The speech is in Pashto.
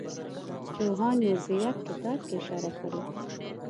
جوهان نوربیرګ کتاب کې اشاره کړې.